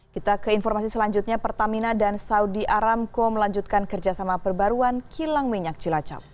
kita ke informasi selanjutnya pertamina dan saudi aramco melanjutkan kerjasama perbaruan kilang minyak cilacap